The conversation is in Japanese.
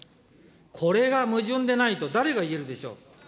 これが矛盾でないと、誰が言えるでしょう。